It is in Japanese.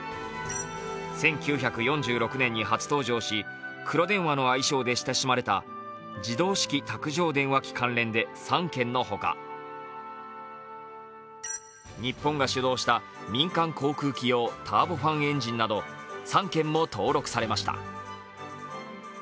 １９４６年に初登場し、黒電話の愛称で親しまれた自動式卓上電話機関連で３件のほか日本が主導した民間航空機用ターボファンエンジンなど３件も登録されました。